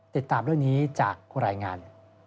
ติดตามเรื่องนี้จากรายงาน